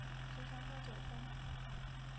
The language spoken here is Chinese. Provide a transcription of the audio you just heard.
时常发酒疯